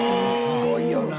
すごいよな。